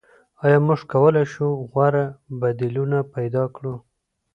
آیا موږ کولای شو غوره بدیلونه پیدا کړو؟